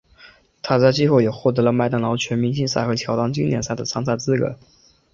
他在季后也获得了麦当劳全明星赛和乔丹经典赛的参赛资格。